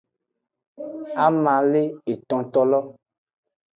Ama le etontolo.